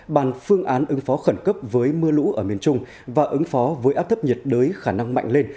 bàn phương án ứng phó khẩn cấp với mưa lũ ở miền trung và ứng phó với áp thấp nhiệt đới khả năng mạnh lên